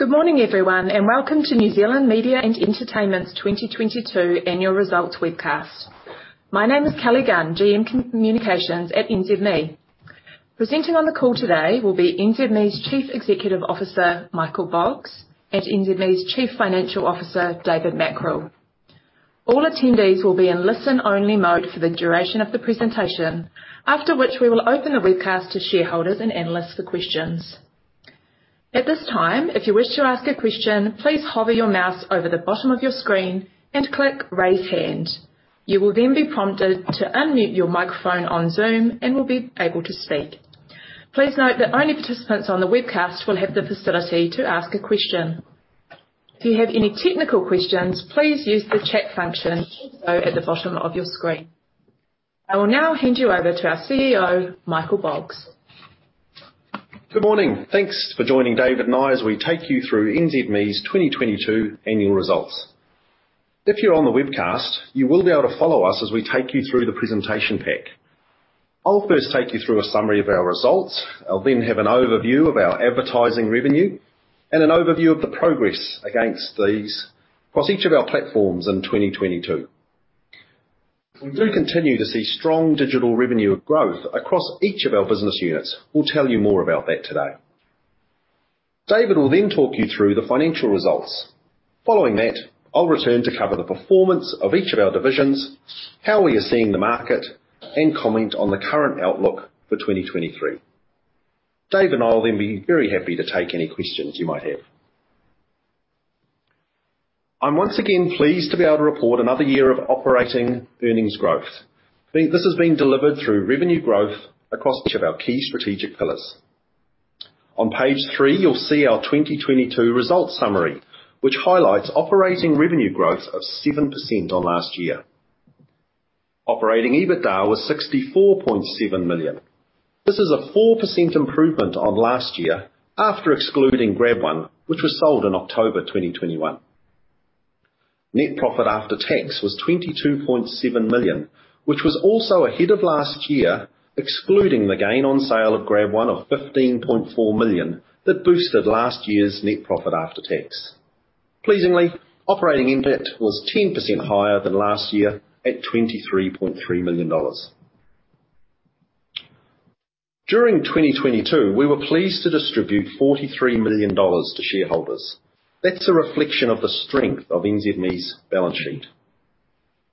Good morning, everyone, welcome to New Zealand Media and Entertainment's 2022 Annual Results Webcast. My name is Kelly Gunn, GM communications at NZME. Presenting on the call today will be NZME's Chief Executive Officer, Michael Boggs, and NZME's Chief Financial Officer, David Mackrell. All attendees will be in listen-only mode for the duration of the presentation, after which we will open the webcast to shareholders and analysts for questions. At this time, if you wish to ask a question, please hover your mouse over the bottom of your screen and click Raise Hand. You will be prompted to unmute your microphone on Zoom and will be able to speak. Please note that only participants on the webcast will have the facility to ask a question. If you have any technical questions, please use the chat function also at the bottom of your screen. I will now hand you over to our CEO, Michael Boggs. Good morning. Thanks for joining David and I as we take you through NZME's 2022 annual results. If you're on the webcast, you will be able to follow us as we take you through the presentation pack. I'll first take you through a summary of our results. I'll have an overview of our advertising revenue and an overview of the progress against these across each of our platforms in 2022. We do continue to see strong digital revenue growth across each of our business units. We'll tell you more about that today. David will talk you through the financial results. Following that, I'll return to cover the performance of each of our divisions, how we are seeing the market, and comment on the current outlook for 2023. David and I'll be very happy to take any questions you might have. I'm once again pleased to be able to report another year of operating earnings growth. This is being delivered through revenue growth across each of our key strategic pillars. On Page three, you'll see our 2022 results summary, which highlights operating revenue growth of 7% on last year. Operating EBITDA was 64.7 million. This is a 4% improvement on last year after excluding GrabOne, which was sold in October 2021. Net profit after tax was 22.7 million, which was also ahead of last year, excluding the gain on sale of GrabOne of 15.4 million that boosted last year's net profit after tax. Pleasingly, operating NPAT was 10% higher than last year at 23.3 million dollars. During 2022, we were pleased to distribute 43 million dollars to shareholders. That's a reflection of the strength of NZME's balance sheet.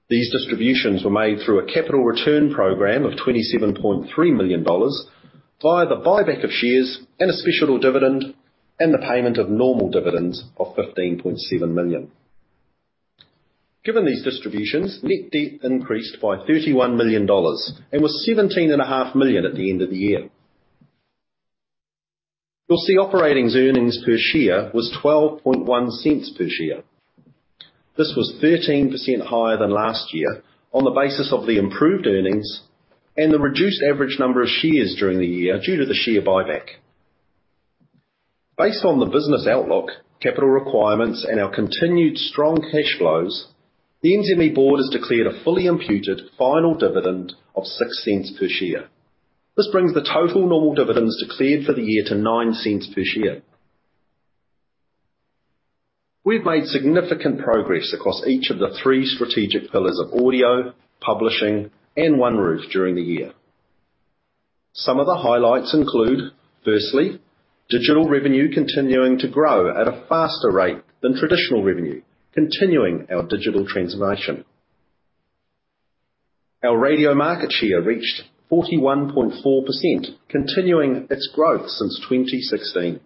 These distributions were made through a capital return program of 27.3 million dollars via the buyback of shares and a special dividend and the payment of normal dividends of 15.7 million. Given these distributions, net debt increased by 31 million dollars and was 17.5 million at the end of the year. You'll see operating earnings per share was 0.121 per share. This was 13% higher than last year on the basis of the improved earnings and the reduced average number of shares during the year due to the share buyback. Based on the business outlook, capital requirements, and our continued strong cash flows, the NZME board has declared a fully imputed final dividend of 0.06 per share. This brings the total normal dividends declared for the year to 0.09 per share. We've made significant progress across each of the three strategic pillars of audio, publishing, and OneRoof during the year. Some of the highlights include, firstly, digital revenue continuing to grow at a faster rate than traditional revenue, continuing our digital transformation. Our radio market share reached 41.4%, continuing its growth since 2016.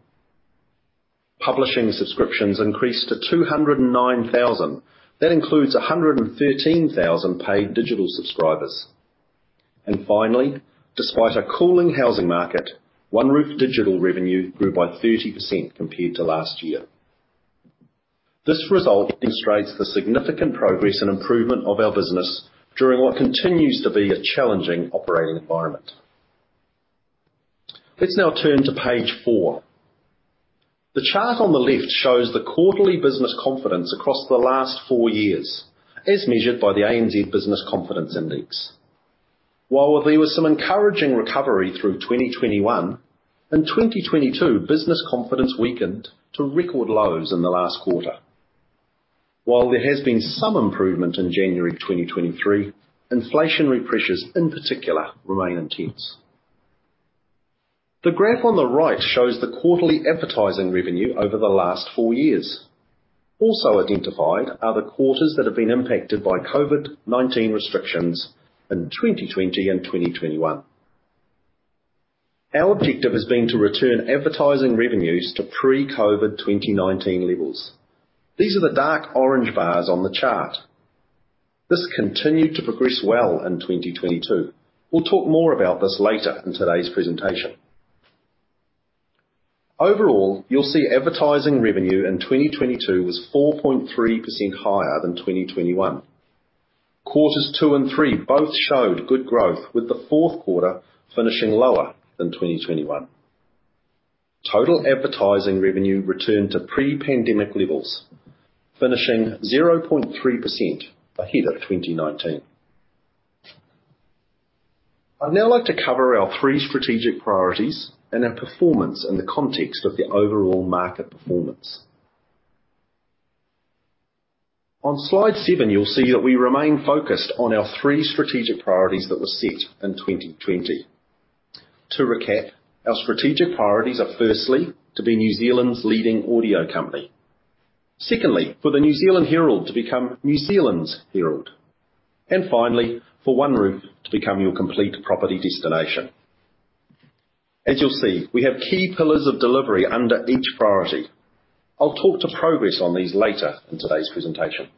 Publishing subscriptions increased to 209,000. That includes 113,000 paid digital subscribers. Finally, despite a cooling housing market, OneRoof digital revenue grew by 30% compared to last year. This result illustrates the significant progress and improvement of our business during what continues to be a challenging operating environment. Let's now turn to Page four. The chart on the left shows the quarterly business confidence across the last four years, as measured by the ANZ Business Confidence Index. While there was some encouraging recovery through 2021, in 2022, business confidence weakened to record lows in the last quarter. While there has been some improvement in January 2023, inflationary pressures, in particular, remain intense. The graph on the right shows the quarterly advertising revenue over the last four years. Also identified are the quarters that have been impacted by COVID-19 restrictions in 2020 and 2021. Our objective has been to return advertising revenues to pre-COVID 2019 levels. These are the dark orange bars on the chart. This continued to progress well in 2022. We'll talk more about this later in today's presentation. Overall, you'll see advertising revenue in 2022 was 4.3% higher than 2021. Quarters two and three both showed good growth, with the fourth quarter finishing lower than 2021. Total advertising revenue returned to pre-pandemic levels, finishing 0.3% ahead of 2019. I'd now like to cover our three strategic priorities and our performance in the context of the overall market performance. On Slide seven, you'll see that we remain focused on our three strategic priorities that were set in 2020. To recap, our strategic priorities are firstly, to be New Zealand's leading audio company. Secondly, for The New Zealand Herald to become New Zealand's Herald. Finally, for OneRoof to become your complete property destination. As you'll see, we have key pillars of delivery under each priority. I'll talk to progress on these later in today's presentation.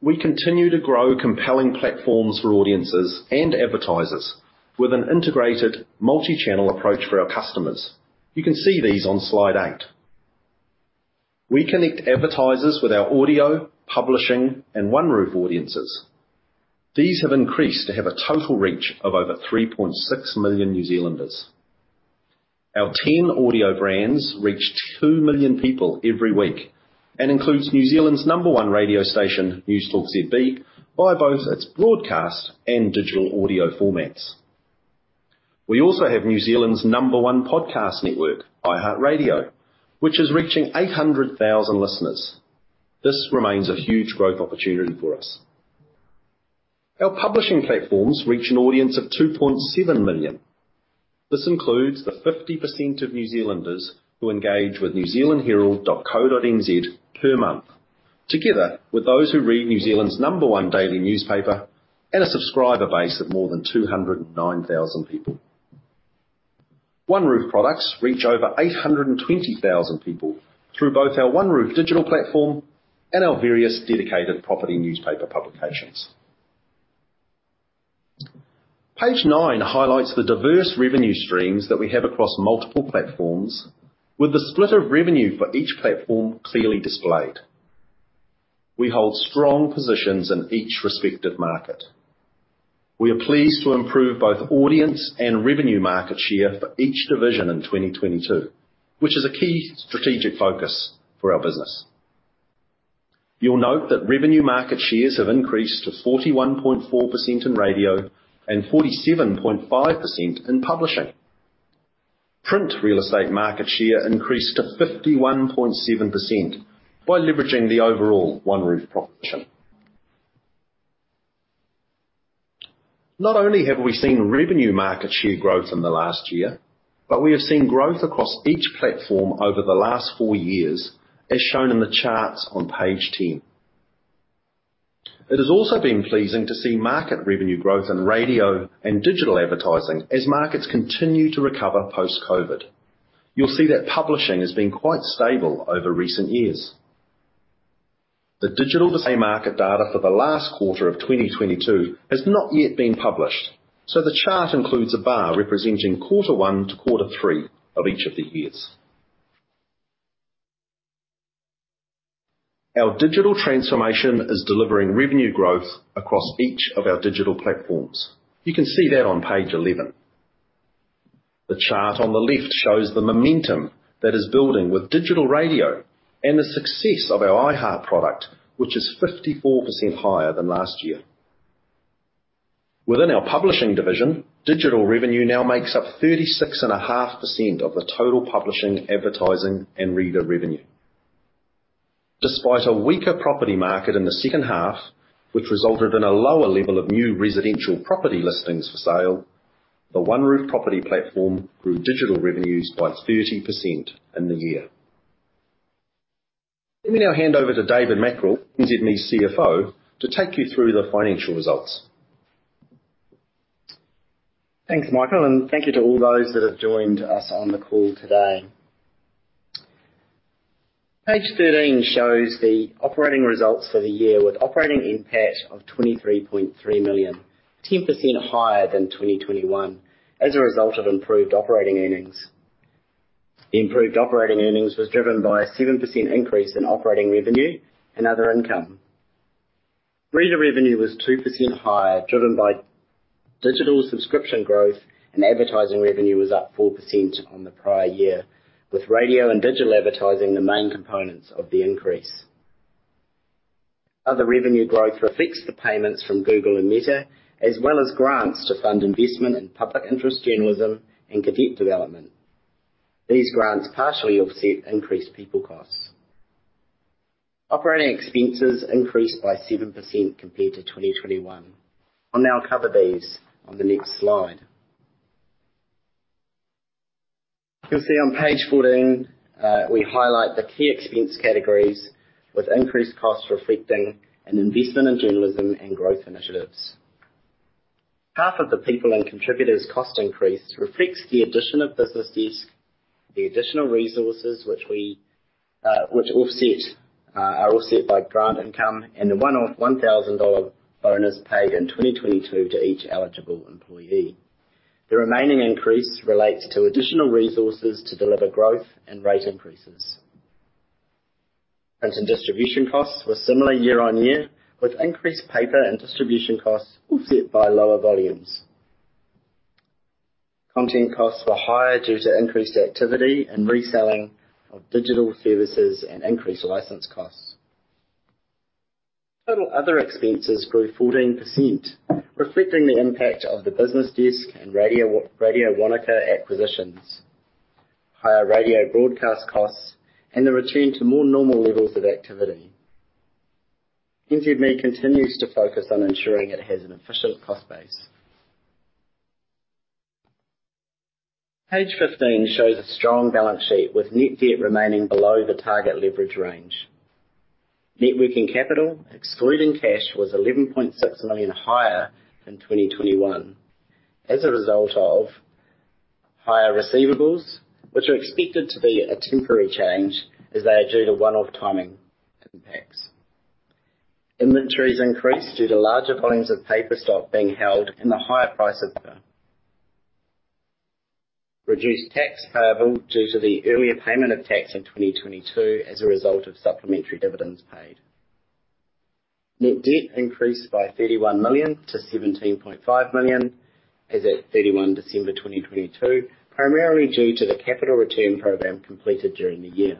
We continue to grow compelling platforms for audiences and advertisers with an integrated multi-channel approach for our customers. You can see these on Slide eight. We connect advertisers with our audio, publishing, and OneRoof audiences. These have increased to have a total reach of over 3.6 million New Zealanders. Our audio brands reach 2 million people every week and includes New Zealand's number one radio station, Newstalk ZB, by both its broadcast and digital audio formats. We also have New Zealand's number one podcast network, iHeartRadio, which is reaching 800,000 listeners. This remains a huge growth opportunity for us. Our publishing platforms reach an audience of 2.7 million. This includes the 50% of New Zealanders who engage with nzherald.co.nz per month, together with those who read New Zealand's number one daily newspaper and a subscriber base of more than 209,000 people. OneRoof products reach over 820,000 people through both our OneRoof digital platform and our various dedicated property newspaper publications. Page nine highlights the diverse revenue streams that we have across multiple platforms with the split of revenue for each platform clearly displayed. We hold strong positions in each respective market. We are pleased to improve both audience and revenue market share for each division in 2022, which is a key strategic focus for our business. You'll note that revenue market shares have increased to 41.4% in radio and 47.5% in publishing. Print real estate market share increased to 51.7% while leveraging the overall OneRoof proposition. Not only have we seen revenue market share growth in the last year, but we have seen growth across each platform over the last four years, as shown in the charts on Page 10. It has also been pleasing to see market revenue growth in radio and digital advertising as markets continue to recover post-COVID. You'll see that publishing has been quite stable over recent years. The digital display market data for the last quarter of 2022 has not yet been published, so the chart includes a bar representing quarter one to quarter three of each of the years. Our digital transformation is delivering revenue growth across each of our digital platforms. You can see that on Page 11. The chart on the left shows the momentum that is building with digital radio and the success of our iHeart product, which is 54% higher than last year. Within our publishing division, digital revenue now makes up 36.5% of the total publishing, advertising, and reader revenue. Despite a weaker property market in the second half, which resulted in a lower level of new residential property listings for sale, the OneRoof property platform grew digital revenues by 30% in the year. Let me now hand over to David Mackrell, NZME CFO, to take you through the financial results. Thanks, Michael. Thank you to all those that have joined us on the call today. Page 13 shows the operating results for the year with operating NPAT of 23.3 million, 10% higher than 2021, as a result of improved operating earnings. The improved operating earnings was driven by a 7% increase in operating revenue and other income. Reader revenue was 2% higher, driven by digital subscription growth, and advertising revenue was up 4% on the prior year, with radio and digital advertising the main components of the increase. Other revenue growth reflects the payments from Google and Meta, as well as grants to fund investment in public interest journalism and cadet development. These grants partially offset increased people costs. Operating expenses increased by 7% compared to 2021. I'll now cover these on the next slide. You'll see on Page 14, we highlight the key expense categories with increased costs reflecting an investment in journalism and growth initiatives. Half of the people and contributors cost increase reflects the addition of BusinessDesk, the additional resources which are offset by grant income and the one-off 1,000 dollar bonus paid in 2022 to each eligible employee. The remaining increase relates to additional resources to deliver growth and rate increases. Printing distribution costs were similar year-on-year with increased paper and distribution costs offset by lower volumes. Content costs were higher due to increased activity and reselling of digital services and increased license costs. Total other expenses grew 14%, reflecting the impact of the BusinessDesk and Radio Wānaka acquisitions, higher radio broadcast costs, and the return to more normal levels of activity. NZME continues to focus on ensuring it has an efficient cost base. Page 15 shows a strong balance sheet with net debt remaining below the target leverage range. Net working capital, excluding cash, was 11.6 million higher in 2021 as a result of higher receivables, which are expected to be a temporary change as they are due to one-off timing impacts. Inventories increased due to larger volumes of paper stock being held and the higher price of them. Reduced tax payable due to the earlier payment of tax in 2022 as a result of supplementary dividends paid. Net debt increased by 31 million to 17.5 million as at 31 December 2022, primarily due to the capital return program completed during the year.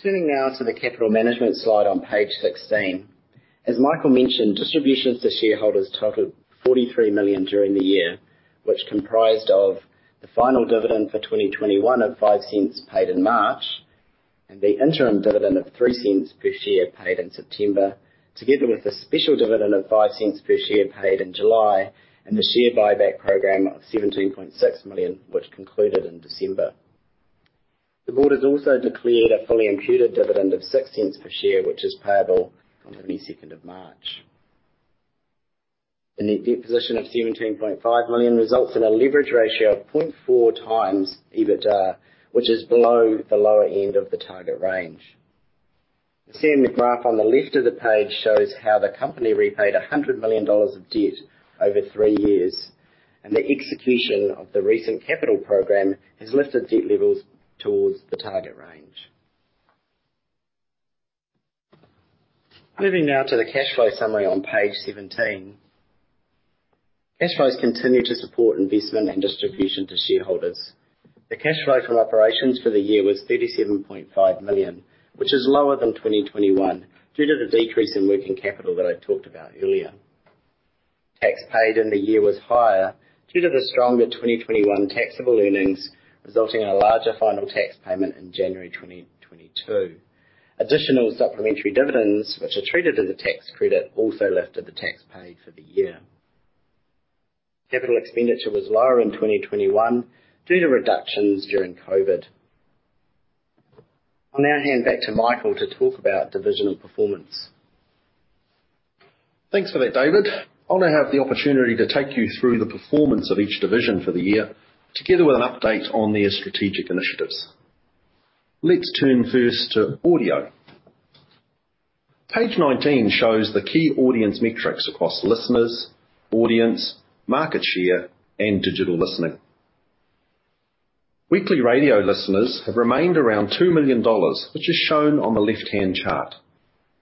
Turning now to the capital management slide on Page 16. As Michael mentioned, distributions to shareholders totaled 43 million during the year, which comprised of the final dividend for 2021 of 0.05 paid in March, and the interim dividend of 0.03 per share paid in September, together with a special dividend of 0.05 per share paid in July, and the share buyback program of 17.6 million, which concluded in December. The board has also declared a fully imputed dividend of 0.06 per share, which is payable on the 22nd of March. The net debt position of 17.5 million results in a leverage ratio of 0.4x EBITDA, which is below the lower end of the target range. The graph on the left of the page shows how the company repaid 100 million dollars of debt over three years. The execution of the recent capital program has lifted debt levels towards the target range. Moving now to the cash flow summary on Page 17. Cash flows continue to support investment and distribution to shareholders. The cash flow from operations for the year was 37.5 million, which is lower than 2021 due to the decrease in working capital that I talked about earlier. Tax paid in the year was higher due to the stronger 2021 taxable earnings, resulting in a larger final tax payment in January 2022. Additional supplementary dividends, which are treated as a tax credit, also lifted the tax paid for the year. CapEx was lower in 2021 due to reductions during COVID. I'll now hand back to Michael to talk about divisional performance. Thanks for that, David. I'll now have the opportunity to take you through the performance of each division for the year, together with an update on their strategic initiatives. Let's turn first to audio. Page 19 shows the key audience metrics across listeners, audience, market share, and digital listening. Weekly radio listeners have remained around 2 million dollars, which is shown on the left-hand chart.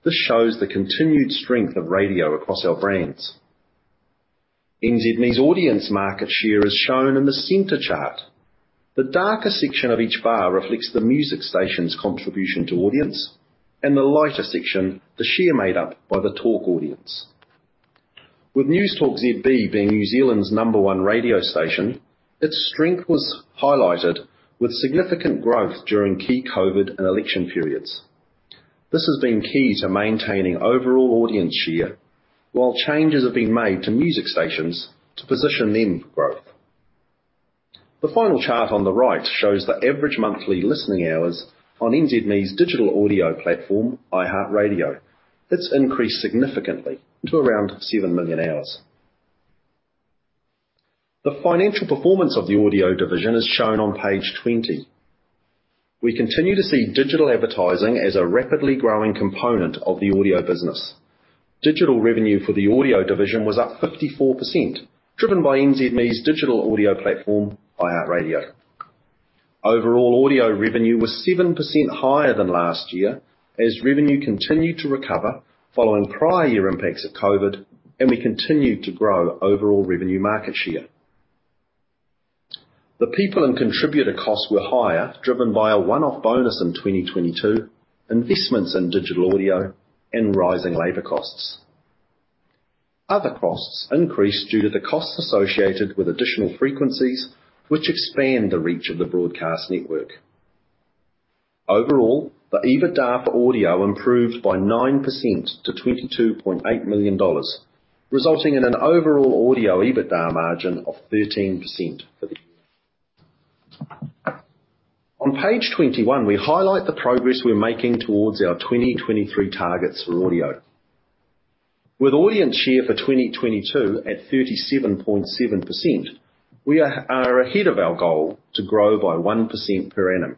This shows the continued strength of radio across our brands. NZME's audience market share is shown in the center chart. The darker section of each bar reflects the music station's contribution to audience, and the lighter section, the share made up by the talk audience. With Newstalk ZB being New Zealand's number one radio station, its strength was highlighted with significant growth during key COVID and election periods. This has been key to maintaining overall audience share, while changes have been made to music stations to position them for growth. The final chart on the right shows the average monthly listening hours on NZME's digital audio platform, iHeartRadio. It's increased significantly to around 7 million hours. The financial performance of the audio division is shown on Page 20. We continue to see digital advertising as a rapidly growing component of the audio business. Digital revenue for the audio division was up 54%, driven by NZME's digital audio platform, iHeartRadio. Overall, audio revenue was 7% higher than last year as revenue continued to recover following prior year impacts of COVID, and we continued to grow overall revenue market share. The people and contributor costs were higher, driven by a one-off bonus in 2022, investments in digital audio, and rising labor costs. Other costs increased due to the costs associated with additional frequencies, which expand the reach of the broadcast network. Overall, the EBITDA for audio improved by 9% to 22.8 million dollars, resulting in an overall audio EBITDA margin of 13% for the year. On Page 21, we highlight the progress we're making towards our 2023 targets for audio. With audience share for 2022 at 37.7%, we are ahead of our goal to grow by 1% per annum.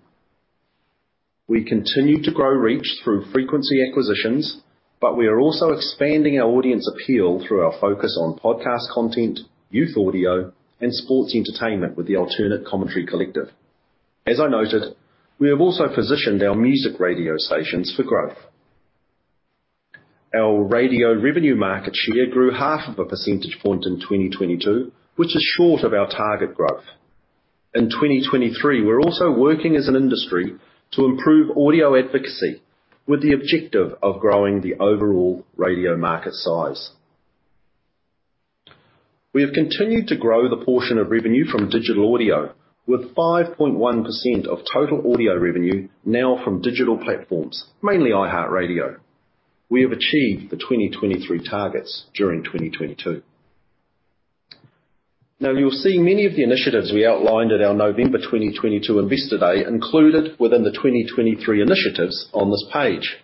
We continue to grow reach through frequency acquisitions. We are also expanding our audience appeal through our focus on podcast content, youth audio, and sports entertainment with The Alternative Commentary Collective. As I noted, we have also positioned our music radio stations for growth. Our radio revenue market share grew half of a percentage point in 2022, which is short of our target growth. In 2023, we're also working as an industry to improve audio advocacy with the objective of growing the overall radio market size. We have continued to grow the portion of revenue from digital audio with 5.1% of total audio revenue now from digital platforms, mainly iHeartRadio. We have achieved the 2023 targets during 2022. Now, you'll see many of the initiatives we outlined at our November 2022 Investor Day included within the 2023 initiatives on this page.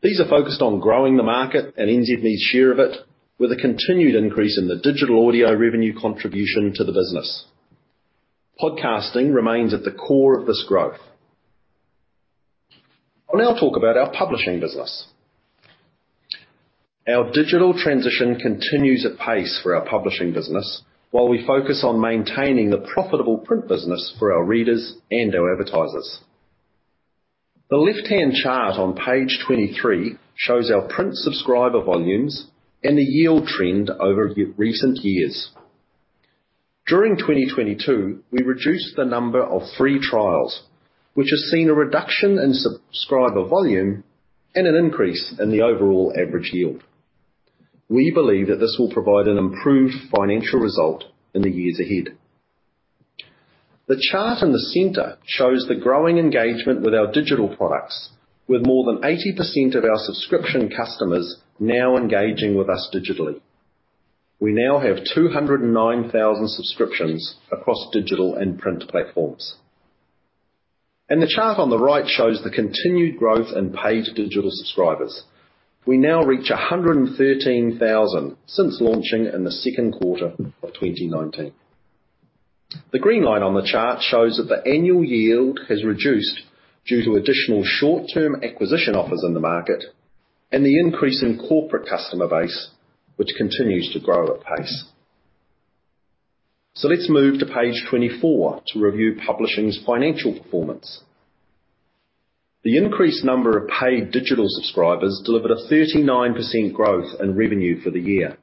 These are focused on growing the market and NZME's share of it with a continued increase in the digital audio revenue contribution to the business. Podcasting remains at the core of this growth. I'll now talk about our publishing business. Our digital transition continues at pace for our publishing business while we focus on maintaining the profitable print business for our readers and our advertisers. The left-hand chart on Page 23 shows our print subscriber volumes and the yield trend over recent years. During 2022, we reduced the number of free trials, which has seen a reduction in subscriber volume and an increase in the overall average yield. We believe that this will provide an improved financial result in the years ahead. The chart in the center shows the growing engagement with our digital products with more than 80% of our subscription customers now engaging with us digitally. We now have 209,000 subscriptions across digital and print platforms. The chart on the right shows the continued growth in paid digital subscribers. We now reach 113,000 since launching in the second quarter of 2019. The green line on the chart shows that the annual yield has reduced due to additional short-term acquisition offers in the market and the increase in corporate customer base, which continues to grow at pace. Let's move to Page 24 to review publishing's financial performance. The increased number of paid digital subscribers delivered a 39% growth in revenue for the year.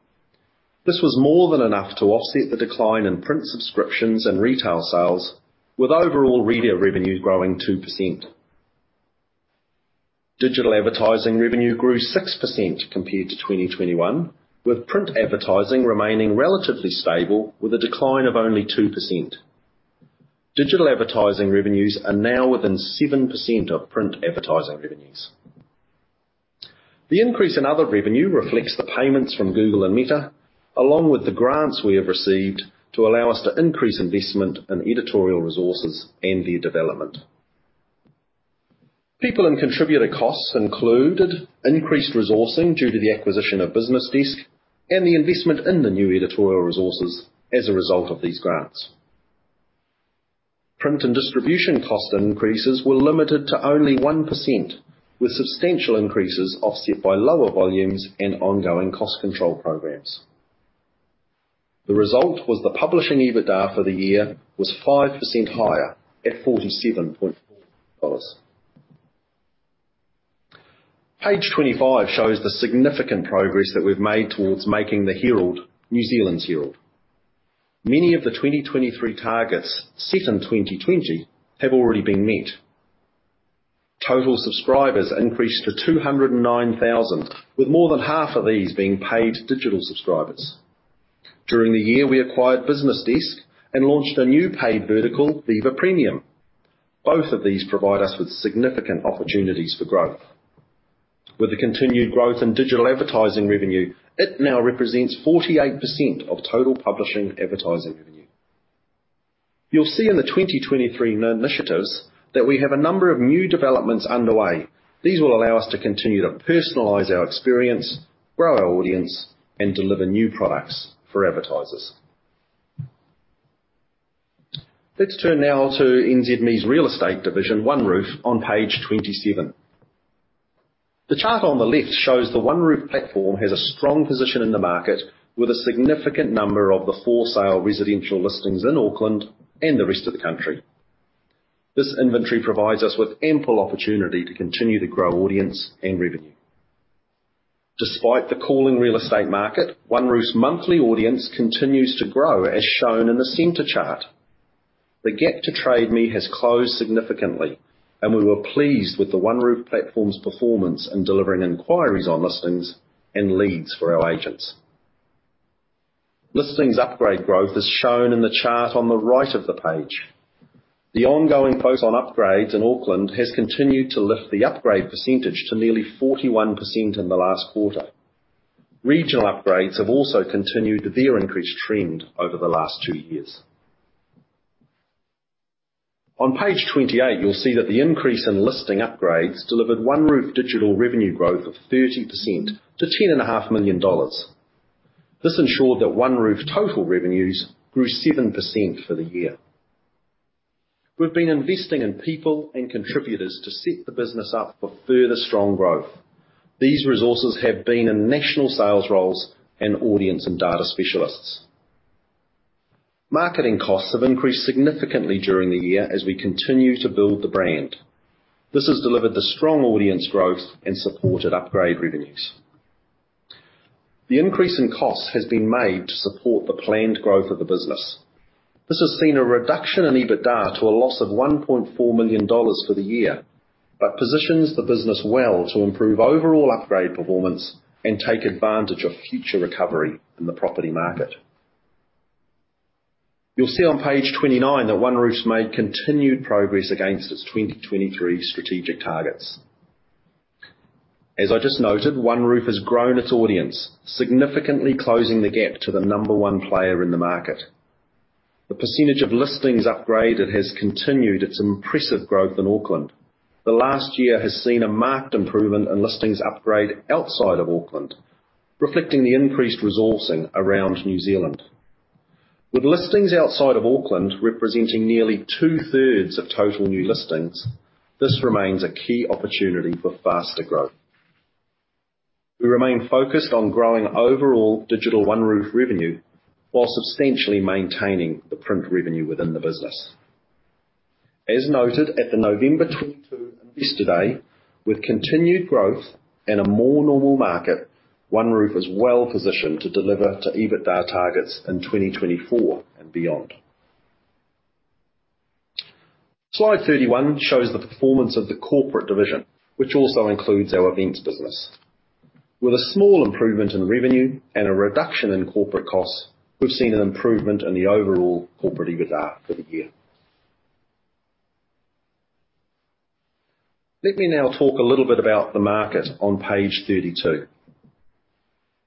This was more than enough to offset the decline in print subscriptions and retail sales with overall reader revenue growing 2%. Digital advertising revenue grew 6% compared to 2021, with print advertising remaining relatively stable with a decline of only 2%. Digital advertising revenues are now within 7% of print advertising revenues. The increase in other revenue reflects the payments from Google and Meta, along with the grants we have received to allow us to increase investment in editorial resources and their development. People and contributor costs included increased resourcing due to the acquisition of BusinessDesk and the investment in the new editorial resources as a result of these grants. Print and distribution cost increases were limited to only 1%, with substantial increases offset by lower volumes and ongoing cost control programs. The result was the publishing EBITDA for the year was 5% higher at 47.4 dollars. Page 25 shows the significant progress that we've made towards making The Herald New Zealand's herald. Many of the 2023 targets set in 2020 have already been met. Total subscribers increased to 209,000, with more than half of these being paid digital subscribers. During the year, we acquired BusinessDesk and launched a new paid vertical, Viva Premium. Both of these provide us with significant opportunities for growth. The continued growth in digital advertising revenue, it now represents 48% of total publishing advertising revenue. You'll see in the 2023 initiatives that we have a number of new developments underway. These will allow us to continue to personalize our experience, grow our audience, and deliver new products for advertisers. Let's turn now to NZME's real estate division, OneRoof, on Page 27. The chart on the left shows the OneRoof platform has a strong position in the market with a significant number of the for-sale residential listings in Auckland and the rest of the country. This inventory provides us with ample opportunity to continue to grow audience and revenue. Despite the cooling real estate market, OneRoof's monthly audience continues to grow as shown in the center chart. The gap to Trade Me has closed significantly, and we were pleased with the OneRoof platform's performance in delivering inquiries on listings and leads for our agents. Listings upgrade growth is shown in the chart on the right of the page. The ongoing focus on upgrades in Auckland has continued to lift the upgrade percentage to nearly 41% in the last quarter. Regional upgrades have also continued their increased trend over the last two years. On Page 28, you'll see that the increase in listing upgrades delivered OneRoof digital revenue growth of 30% to 10.5 million dollars. This ensured that OneRoof total revenues grew 7% for the year. We've been investing in people and contributors to set the business up for further strong growth. These resources have been in national sales roles and audience and data specialists. Marketing costs have increased significantly during the year as we continue to build the brand. This has delivered the strong audience growth and supported upgrade revenues. The increase in costs has been made to support the planned growth of the business. This has seen a reduction in EBITDA to a loss of 1.4 million dollars for the year, but positions the business well to improve overall upgrade performance and take advantage of future recovery in the property market. You'll see on Page 29 that OneRoof's made continued progress against its 2023 strategic targets. As I just noted, OneRoof has grown its audience, significantly closing the gap to the number one player in the market. The percentage of listings upgraded has continued its impressive growth in Auckland. The last year has seen a marked improvement in listings upgrade outside of Auckland, reflecting the increased resourcing around New Zealand. With listings outside of Auckland representing nearly two-thirds of total new listings, this remains a key opportunity for faster growth. We remain focused on growing overall digital OneRoof revenue while substantially maintaining the print revenue within the business. As noted at the November 2022 investor day, with continued growth in a more normal market, OneRoof is well positioned to deliver to EBITDA targets in 2024 and beyond. Slide 31 shows the performance of the corporate division, which also includes our events business. With a small improvement in revenue and a reduction in corporate costs, we've seen an improvement in the overall corporate EBITDA for the year. Let me now talk a little bit about the market on Page 32.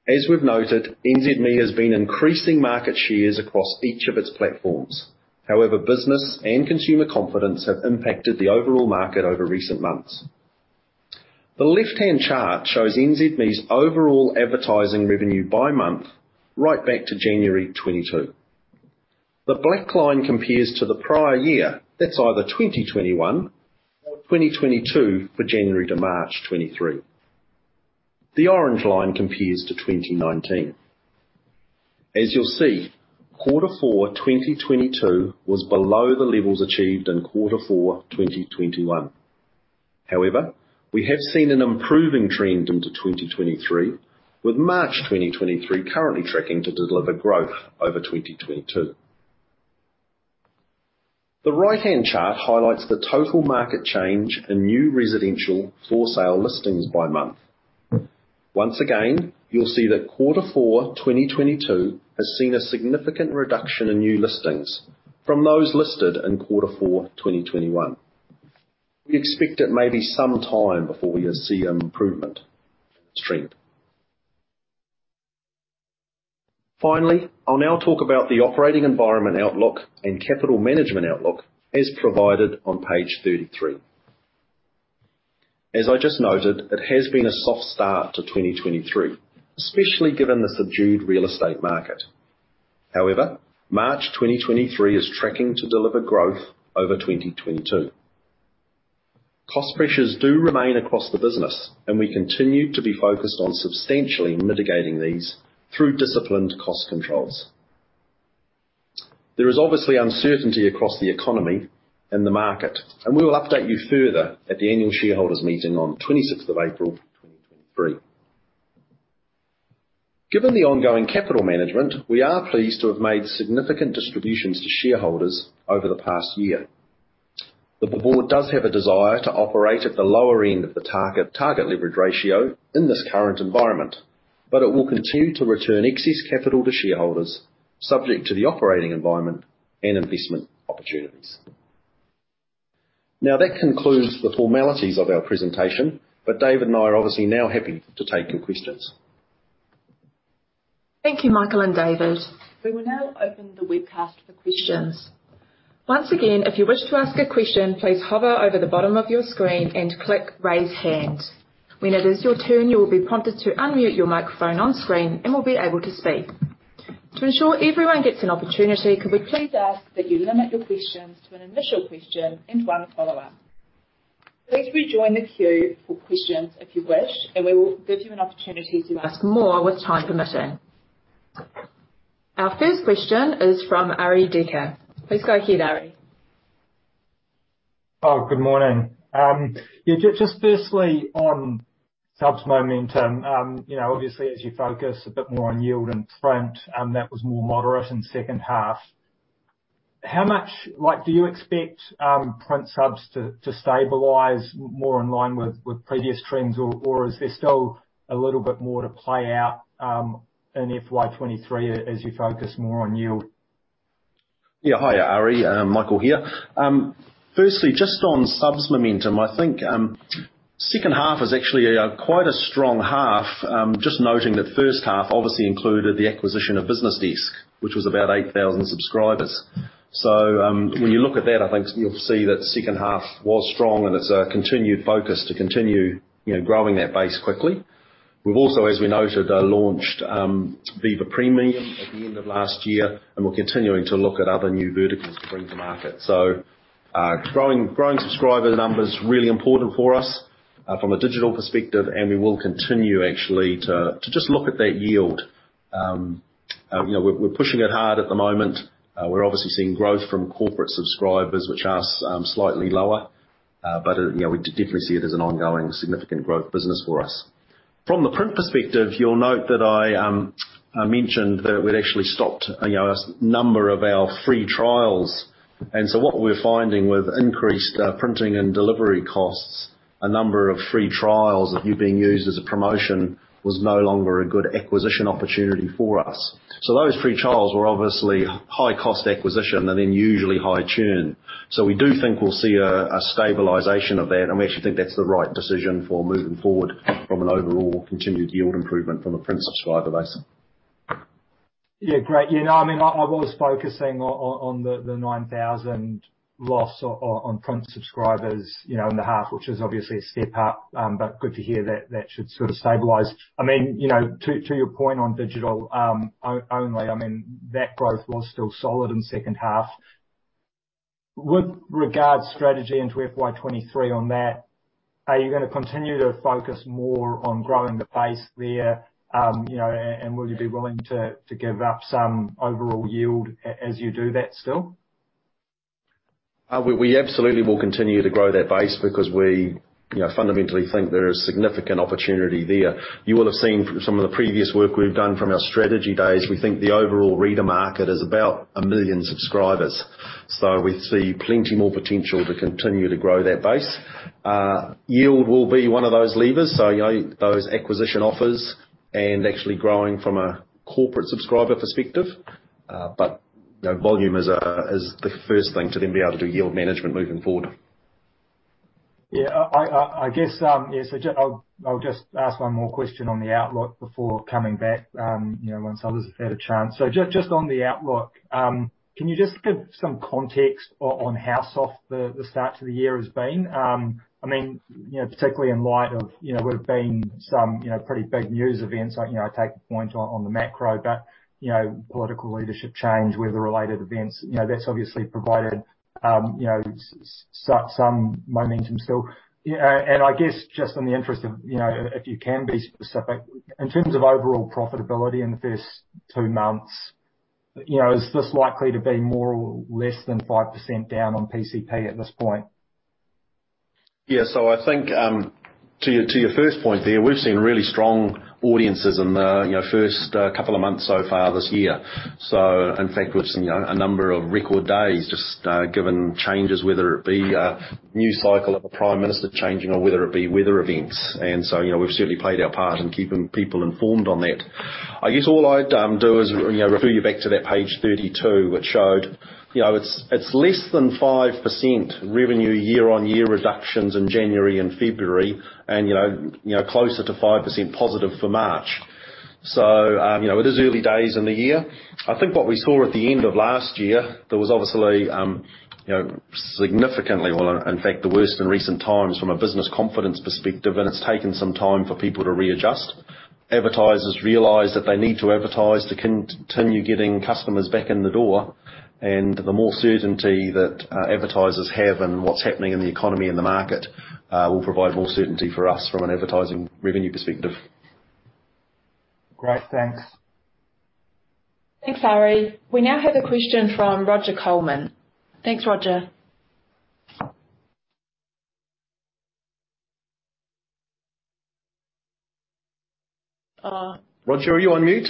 As we've noted, NZME has been increasing market shares across each of its platforms. However, business and consumer confidence have impacted the overall market over recent months. The left-hand chart shows NZME's overall advertising revenue by month right back to January 2022. The black line compares to the prior year. That's either 2021 or 2022 for January to March 2023. The orange line compares to 2019. As you'll see, Q4 2022 was below the levels achieved in Q4 2021. However, we have seen an improving trend into 2023, with March 2023 currently tracking to deliver growth over 2022. The right-hand chart highlights the total market change in new residential for sale listings by month. Once again, you'll see that quarter four, 2022 has seen a significant reduction in new listings from those listed in quarter four, 2021. We expect it may be some time before we see improvement strength. I'll now talk about the operating environment outlook and capital management outlook as provided on Page 33. As I just noted, it has been a soft start to 2023, especially given the subdued real estate market. March 2023 is tracking to deliver growth over 2022. Cost pressures do remain across the business, and we continue to be focused on substantially mitigating these through disciplined cost controls. There is obviously uncertainty across the economy and the market, and we will update you further at the annual shareholders meeting on 26th of April, 2023. Given the ongoing capital management, we are pleased to have made significant distributions to shareholders over the past year. The board does have a desire to operate at the lower end of the target leverage ratio in this current environment. It will continue to return excess capital to shareholders subject to the operating environment and investment opportunities. That concludes the formalities of our presentation. David and I are obviously now happy to take your questions. Thank you, Michael and David. We will now open the webcast for questions. Once again, if you wish to ask a question, please hover over the bottom of your screen and click Raise Hand. When it is your turn, you will be prompted to unmute your microphone on screen and will be able to speak. To ensure everyone gets an opportunity, could we please ask that you limit your questions to an initial question and one follow-up. Please rejoin the queue for questions if you wish, and we will give you an opportunity to ask more with time permitting. Our first question is from Arie Dekker. Please go ahead, Arie. Good morning. Yeah, just firstly, on subs momentum, you know, obviously as you focus a bit more on yield and print, and that was more moderate in second half, how much, like, do you expect print subs to stabilize more in line with previous trends? Or is there still a little bit more to play out in FY 2023 as you focus more on yield? Hi, Arie. Michael here. Firstly, just on subs momentum, I think, second half is actually a quite a strong half. Just noting that first half obviously included the acquisition of BusinessDesk, which was about 8,000 subscribers. When you look at that, I think you'll see that second half was strong, and it's a continued focus to continue, you know, growing that base quickly. We've also, as we noted, launched Viva Premium at the end of last year, and we're continuing to look at other new verticals to bring to market. Growing subscriber numbers, really important for us. From a digital perspective, and we will continue actually to just look at that yield. We're pushing it hard at the moment. We're obviously seeing growth from corporate subscribers, which are slightly lower. You know, we definitely see it as an ongoing significant growth business for us. From the print perspective, you'll note that I mentioned that we'd actually stopped, you know, a number of our free trials. What we're finding with increased printing and delivery costs, a number of free trials that you've been used as a promotion was no longer a good acquisition opportunity for us. Those free trials were obviously high cost acquisition and then usually high churn. We do think we'll see a stabilization of that, and we actually think that's the right decision for moving forward from an overall continued yield improvement from a print subscriber base. Yeah, great. You know, I mean, I was focusing on the 9,000 loss on print subscribers, you know, in the half, which is obviously a step up. Good to hear that that should sort of stabilize. I mean, you know, to your point on digital only, I mean, that growth was still solid in second half. With regard to strategy into FY 2023 on that, are you gonna continue to focus more on growing the base there? You know, will you be willing to give up some overall yield as you do that still? We absolutely will continue to grow that base because we, you know, fundamentally think there is significant opportunity there. You will have seen from some of the previous work we've done from our strategy days, we think the overall reader market is about 1 million subscribers. We see plenty more potential to continue to grow that base. Yield will be one of those levers, so, you know, those acquisition offers and actually growing from a corporate subscriber perspective. You know, volume is the first thing to then be able to do yield management moving forward. I guess, yes, I'll just ask one more question on the outlook before coming back, you know, once others have had a chance. Just on the outlook, can you just give some context on how soft the start to the year has been? I mean, you know, particularly in light of, you know, there have been some, you know, pretty big news events, like, you know, take your point on the macro, but, you know, political leadership change, weather-related events. You know, that's obviously provided, you know, some momentum still. I guess just in the interest of, you know, if you can be specific, in terms of overall profitability in the first two months, you know, is this likely to be more or less than 5% down on PCP at this point? Yeah. I think, to your, to your first point there, we've seen really strong audiences in the, you know, first couple of months so far this year. In fact, we've seen a number of record days just given changes, whether it be a new cycle of a prime minister changing or whether it be weather events. You know, we've certainly played our part in keeping people informed on that. I guess all I'd do is, you know, refer you back to that Page 32, which showed, you know, it's less than 5% revenue year-on-year reductions in January and February and, you know, closer to 5% positive for March. You know, it is early days in the year. I think what we saw at the end of last year, there was obviously, you know, significantly or, in fact, the worst in recent times from a business confidence perspective, and it's taken some time for people to readjust. Advertisers realize that they need to advertise to continue getting customers back in the door, and the more certainty that advertisers have in what's happening in the economy and the market, will provide more certainty for us from an advertising revenue perspective. Great. Thanks. Thanks, Harry. We now have a question from Roger Colman. Thanks, Roger. Roger, are you on mute?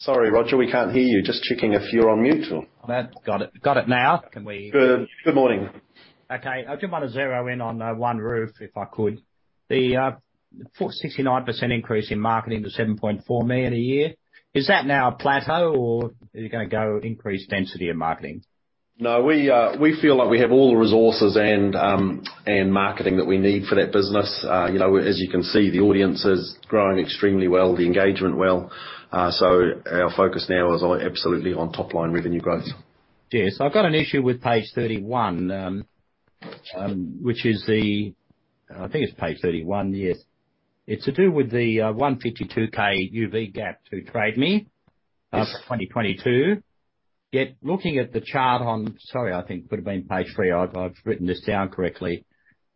Sorry, Roger, we can't hear you. Just checking if you're on mute or. Got it. Got it now. Good. Good morning. Okay. I just want to zero in on OneRoof, if I could. The 69% increase in marketing to 7.4 million a year, is that now a plateau or are you gonna go increase density in marketing? We feel like we have all the resources and marketing that we need for that business. You know, as you can see, the audience is growing extremely well, the engagement well. Our focus now is on absolutely on top line revenue growth. Yes. I've got an issue with Page 31, I think it's Page 31. Yes. It's to do with the 152,000 UV gap to Trade Me- Yes. for 2022. Looking at the chart on. Sorry, I think could have been Page three. I've written this down correctly,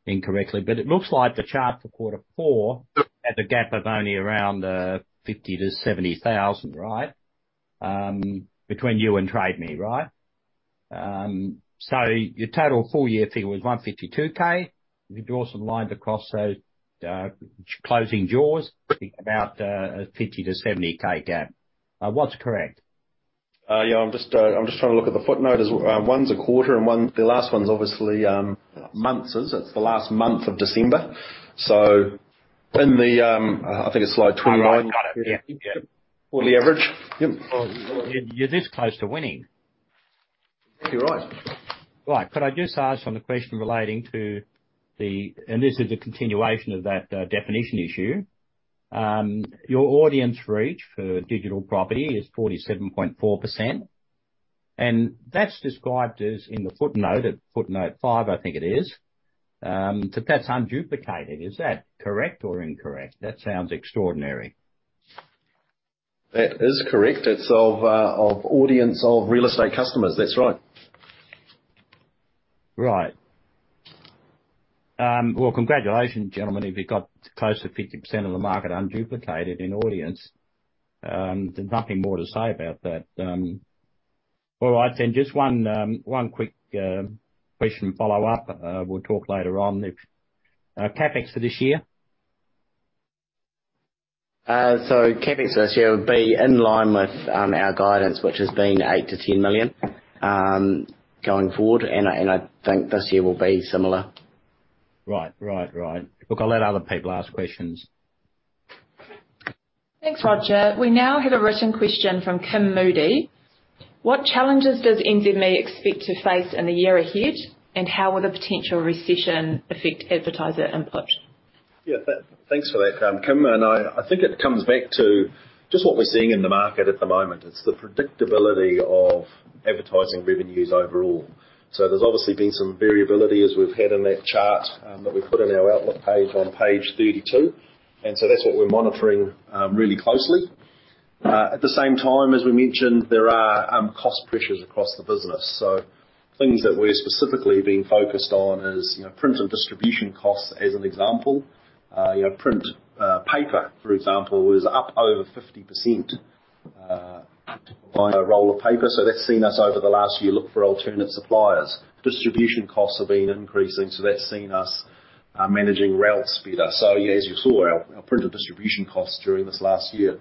incorrectly. It looks like the chart for Q4 had a gap of only around 50,000-70,000, right? Between you and Trade Me, right? Your total full year figure was 152,000. You could also line across those closing jaws about a 50,000-70,000 gap. What's correct? Yeah. I'm just trying to look at the footnote. One's a quarter and the last one's obviously, months. It's the last month of December. In the, I think it's Slide 29. Got it. Yeah. For the average. Yep. You're this close to winning. You're right. Right. Could I just ask on the question relating to the... This is a continuation of that definition issue. Your audience reach for digital property is 47.4%, and that's described as in the footnote, at Footnote 5, I think it is. That's unduplicated. Is that correct or incorrect? That sounds extraordinary. That is correct. It's of audience, of real estate customers. That's right. Right. Well, congratulations, gentlemen. If you got close to 50% of the market unduplicated in audience, there's nothing more to say about that. All right then. Just one quick, question follow-up, we'll talk later on. CapEx for this year? CapEx this year will be in line with our guidance, which has been 8 million-10 million going forward. I think this year will be similar. Right. Look, I'll let other people ask questions. Thanks, Roger. We now have a written question from Kim Moody. What challenges does NZME expect to face in the year ahead, and how will the potential recession affect advertiser input? Yeah. Thanks for that, Kim, and I think it comes back to just what we're seeing in the market at the moment. It's the predictability of advertising revenues overall. There's obviously been some variability as we've had in that chart that we put in our outlook page on Page 32. That's what we're monitoring really closely. At the same time, as we mentioned, there are cost pressures across the business. Things that we're specifically being focused on is, you know, print and distribution costs, as an example. You know, print, paper, for example, is up over 50% to buy a roll of paper, so that's seen us over the last year look for alternate suppliers. Distribution costs have been increasing, so that's seen us managing routes better. As you saw, our printed distribution costs during this last year,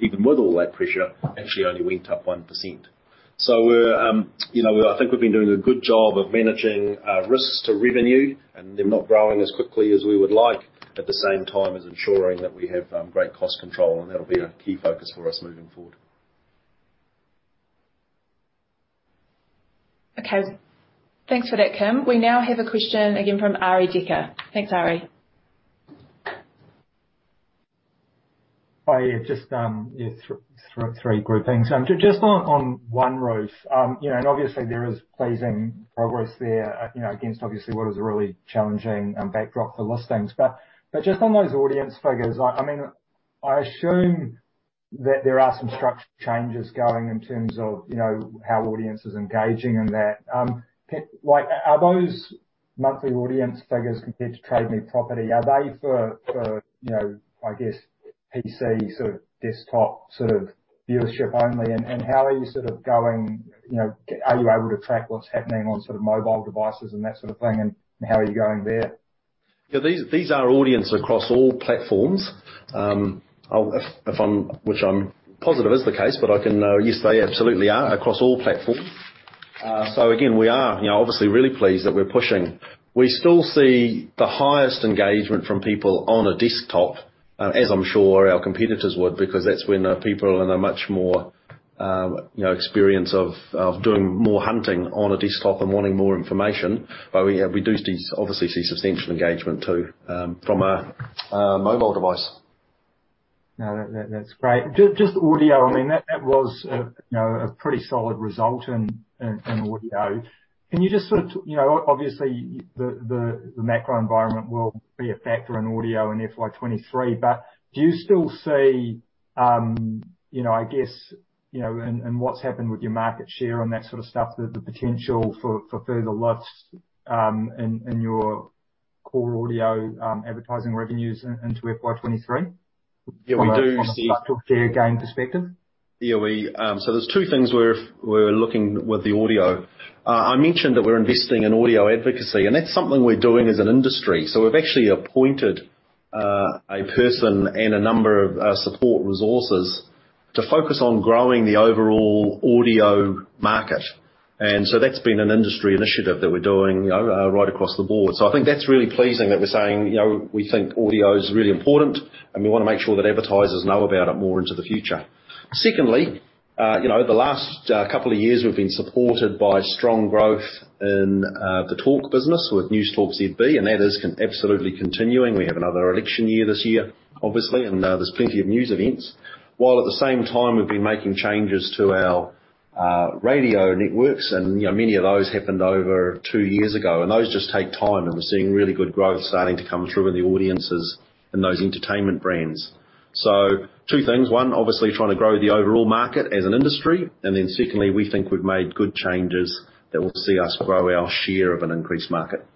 even with all that pressure, actually only went up 1%. We're, you know, I think we've been doing a good job of managing risks to revenue, and they're not growing as quickly as we would like, at the same time as ensuring that we have great cost control, and that'll be a key focus for us moving forward. Okay. Thanks for that, Kim. We now have a question again from Arie Dekker. Thanks, Arie. Hi. Yeah. Just three groupings. Just on OneRoof. You know, obviously there is pleasing progress there, you know, against obviously what is a really challenging backdrop for listings. Just on those audience figures, I mean, I assume that there are some structural changes going in terms of, you know, how audience is engaging in that. Like, are those monthly audience figures compared to Trade Me property, are they for, you know, I guess PC, sort of desktop sort of viewership only? How are you sort of going, you know, are you able to track what's happening on sort of mobile devices and that sort of thing, and how are you going there? Yeah, these are audience across all platforms. Which I'm positive is the case, I can, yes, they absolutely are across all platforms. Again, we are, you know, obviously really pleased that we're pushing. We still see the highest engagement from people on a desktop, as I'm sure our competitors would, because that's when people are in a much more, you know, experience of doing more hunting on a desktop and wanting more information. We obviously see substantial engagement too, from a mobile device. No, that's great. Just audio, I mean, that was a, you know, a pretty solid result in audio. Can you just sort of... You know, obviously the macro environment will be a factor in audio in FY 2023, but do you still see, you know, I guess, you know, and what's happened with your market share and that sort of stuff, the potential for further lift in your core audio advertising revenues into FY 2023. Yeah, we do. From a structural share gain perspective? We're looking with the audio. I mentioned that we're investing in audio advocacy, that's something we're doing as an industry. We've actually appointed a person and a number of support resources to focus on growing the overall audio market. That's been an industry initiative that we're doing, you know, right across the board. I think that's really pleasing that we're saying, you know, we think audio is really important, and we wanna make sure that advertisers know about it more into the future. Secondly, you know, the last couple of years we've been supported by strong growth in the talk business with Newstalk ZB, and that is absolutely continuing. We have another election year this year, obviously, and there's plenty of news events, while at the same time we've been making changes to our radio networks and, you know, many of those happened over two years ago. Those just take time, and we're seeing really good growth starting to come through in the audiences in those entertainment brands. Two things: One, obviously trying to grow the overall market as an industry. Then secondly, we think we've made good changes that will see us grow our share of an increased market.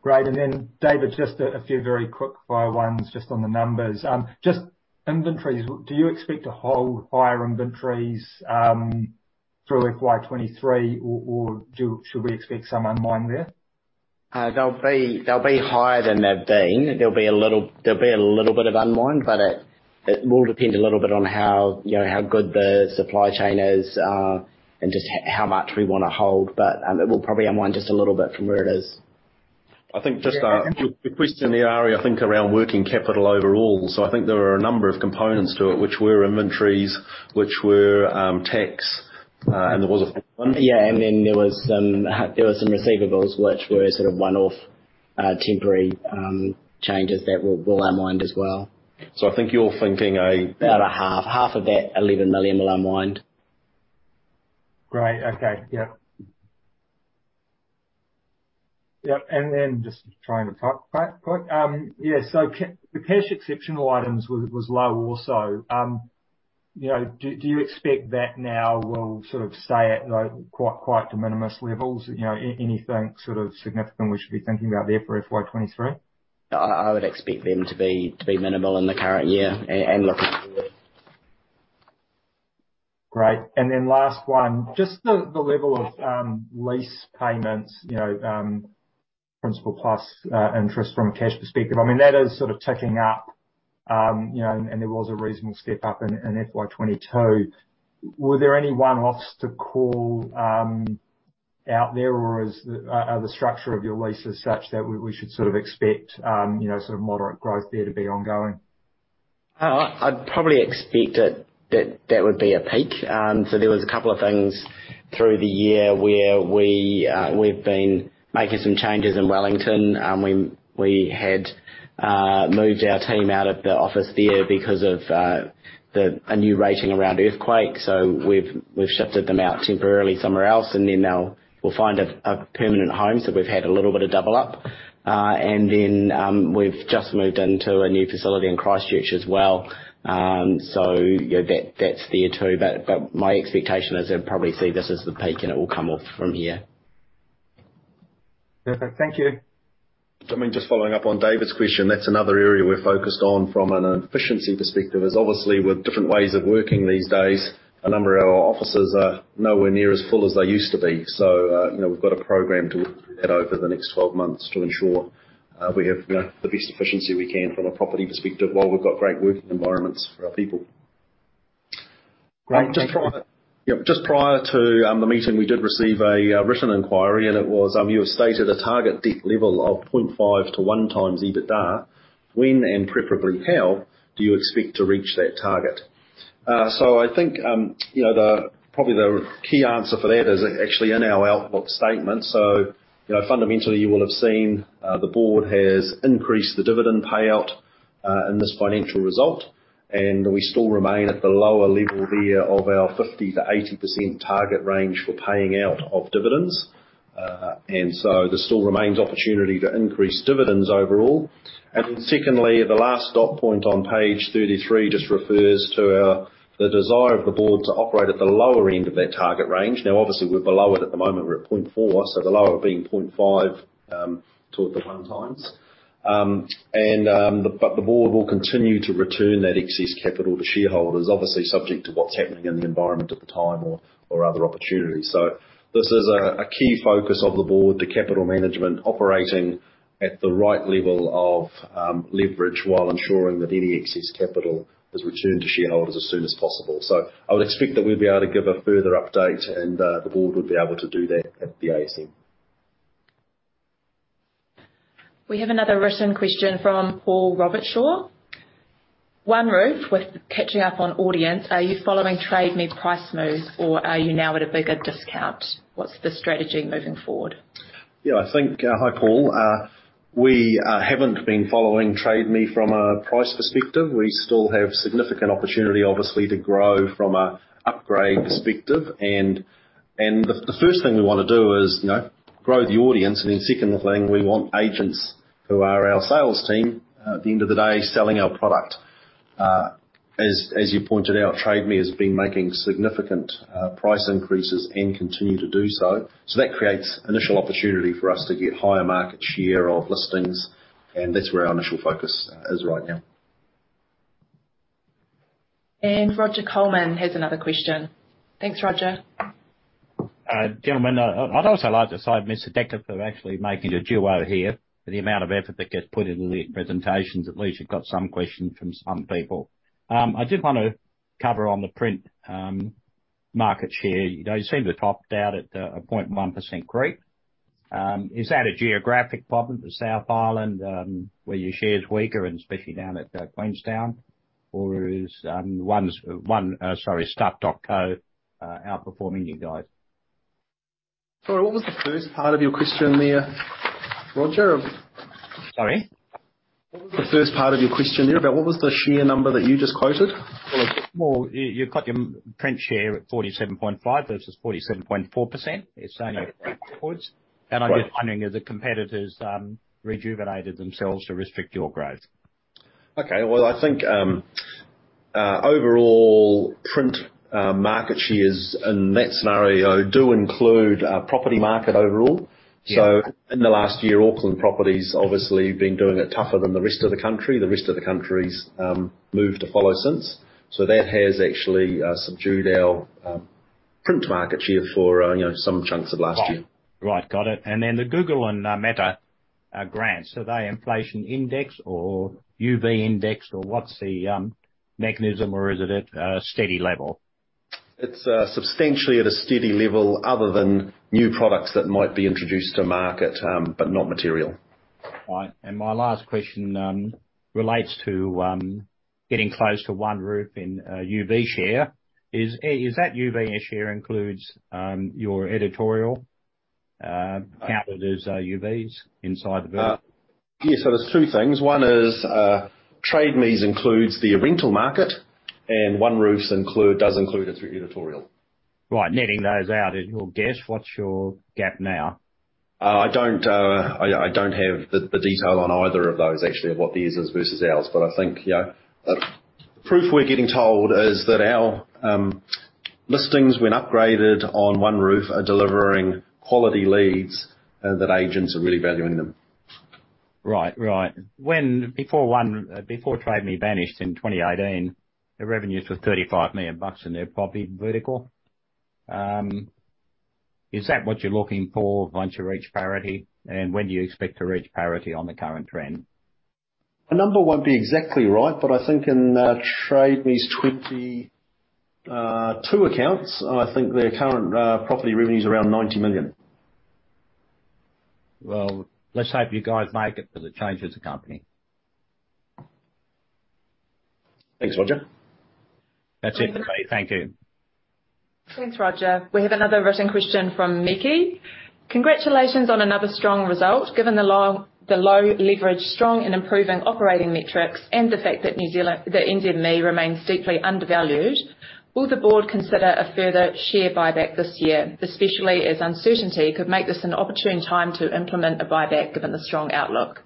Great. Then David, just a few very quickfire ones just on the numbers. Just inventories. Do you expect to hold higher inventories through FY 2023 or should we expect some unwind there? They'll be higher than they've been. There'll be a little bit of unwind, but it will depend a little bit on how, you know, how good the supply chain is, and just how much we wanna hold. It will probably unwind just a little bit from where it is. I think just. Yeah... Your question there, Arie, I think around working capital overall. I think there are a number of components to it, which were inventories, which were tax, and there was a fourth one. Yeah, Then there was some, there was some receivables which were sort of one-off, temporary, changes that will unwind as well. I think you're thinking. About 1/2. Half of that 11 million will unwind. Great. Okay. Yep. Yep, then just trying to cut quick. Yeah, so the cash exceptional items was low also. You know, do you expect that now will sort of stay at, like, quite de minimis levels? You know, anything sort of significant we should be thinking about there for FY 2023? I would expect them to be minimal in the current year and looking forward. Great. Then last one, just the level of lease payments, you know, principal plus interest from a cash perspective. I mean, that is sort of ticking up, you know, and there was a reasonable step up in FY 2022. Were there any one-offs to call out there? Are the structure of your leases such that we should sort of expect, you know, sort of moderate growth there to be ongoing? I'd probably expect it, that that would be a peak. There was a couple of things through the year where we've been making some changes in Wellington. We had moved our team out of the office there because of a new rating around earthquakes. We've shifted them out temporarily somewhere else, and then now we'll find a permanent home. We've had a little bit of double up. We've just moved into a new facility in Christchurch as well. You know, that's there too. My expectation is I'd probably see this as the peak, and it will come off from here. Perfect. Thank you. I mean, just following up on David's question, that's another area we're focused on from an efficiency perspective, is obviously with different ways of working these days, a number of our offices are nowhere near as full as they used to be. You know, we've got a program to look at that over the next 12 months to ensure we have the best efficiency we can from a property perspective while we've got great working environments for our people. Great. Thank you. Just prior to the meeting, we did receive a written inquiry, and it was, you have stated a target debt level of 0.5-1 times EBITDA. When and preferably how do you expect to reach that target? I think, you know, probably the key answer for that is actually in our outlook statement. You know, fundamentally, you will have seen the board has increased the dividend payout in this financial result, and we still remain at the lower level there of our 50%-80% target range for paying out of dividends. There still remains opportunity to increase dividends overall. Then secondly, the last dot point on Page 33 just refers to the desire of the board to operate at the lower end of that target range. Obviously, we're below it at the moment. We're at 0.4, so the lower being 0.5, toward the 1 times. The board will continue to return that excess capital to shareholders, obviously subject to what's happening in the environment at the time or other opportunities. This is a key focus of the board, the capital management operating at the right level of leverage while ensuring that any excess capital is returned to shareholders as soon as possible. I would expect that we'll be able to give a further update, and the board would be able to do that at the ASM. We have another written question from Paul Robertshaw. OneRoof, with catching up on audience, are you following Trade Me price moves or are you now at a bigger discount? What's the strategy moving forward? Hi, Paul. We haven't been following Trade Me from a price perspective. We still have significant opportunity, obviously, to grow from a upgrade perspective. The first thing we wanna do is, you know, grow the audience. Second thing, we want agents who are our sales team at the end of the day, selling our product. As you pointed out, Trade Me has been making significant price increases and continue to do so. That creates initial opportunity for us to get higher market share of listings, and that's where our initial focus is right now. Roger Colman has another question. Thanks, Roger. Gentlemen, I'd also like to thank Mr. Dekker for actually making a duo here. The amount of effort that gets put into the presentations, at least you've got some questions from some people. I did wanna cover on the print market share. You know, you seem to have topped out at a 0.1% creep. Is that a geographic problem for South Island, where your share is weaker and especially down at Queenstown? Is Stuff.co outperforming you guys? Sorry, what was the first part of your question there, Roger? Sorry. What was the first part of your question there about what was the share number that you just quoted? Well, you've got your print share at 47.5 versus 47.4%. It's only eight points. Right. I'm just wondering if the competitors rejuvenated themselves to restrict your growth? Okay. Well, I think overall print market shares in that scenario do include property market overall. Yeah. In the last year, Auckland property's obviously been doing it tougher than the rest of the country. The rest of the country's moved to follow since. That has actually subdued our print market share for, you know, some chunks of last year. Right. Right. Got it. Then the Google and Meta grants, are they inflation indexed or UV indexed or what's the mechanism or is it at a steady level? It's substantially at a steady level other than new products that might be introduced to market, but not material. Right. My last question relates to getting close to OneRoof in UV share. Is that UV share includes your editorial? Counted as UVs inside the vertical? There's two things. One is, Trade Me's includes the rental market, and OneRoof's does include its own editorial. Right. Netting those out, at your guess, what's your gap now? I don't have the detail on either of those, actually, of what theirs is versus ours. I think, you know, proof we're getting told is that our listings, when upgraded on OneRoof, are delivering quality leads and that agents are really valuing them. Right. Before Trade Me vanished in 2018, their revenues were 35 million bucks in their property vertical. Is that what you're looking for once you reach parity? When do you expect to reach parity on the current trend? The number won't be exactly right, but I think in Trade Me's 2022 accounts, I think their current property revenue is around 90 million. Well, let's hope you guys make it for the change of the company. Thanks, Roger. That's it for me. Thank you. Thanks, Roger. We have another written question from Miki. Congratulations on another strong result. Given the low leverage, strong and improving operating metrics and the fact that NZME remains deeply undervalued, will the board consider a further share buyback this year, especially as uncertainty could make this an opportune time to implement a buyback given the strong outlook?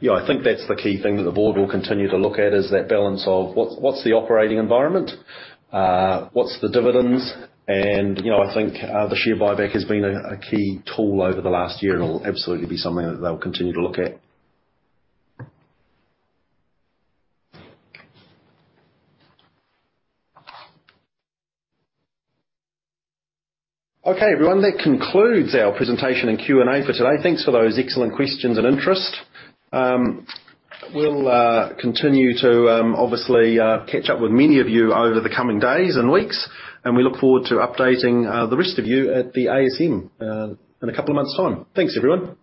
Yeah. I think that's the key thing that the board will continue to look at, is that balance of what's the operating environment, what's the dividends, and you know, I think the share buyback has been a key tool over the last year and will absolutely be something that they'll continue to look at. Okay, everyone. That concludes our presentation and Q&A for today. Thanks for those excellent questions and interest. We'll continue to obviously catch up with many of you over the coming days and weeks, and we look forward to updating the rest of you at the ASM in a couple of months' time. Thanks, everyone.